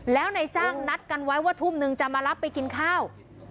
แล้วนายจ้างนัดกันไว้ว่าทุ่มนึงจะมารับไปกินข้าว